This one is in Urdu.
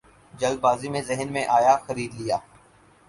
جلد بازی میں ذہن میں آیا خرید لیا